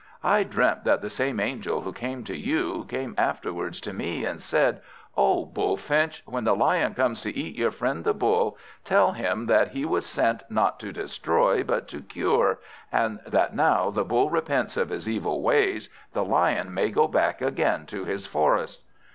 I dreamt that the same angel who came to you, came afterwards to me, and said, 'O Bullfinch! when the Lion comes to eat your friend the Bull, tell him that he was sent not to destroy, but to cure; and that now the Bull repents of his evil ways, the Lion may go back again to his forest.'"